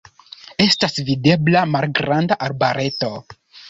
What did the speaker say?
Estas videbla malgranda arbareto.